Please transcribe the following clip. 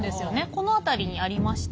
この辺りにありまして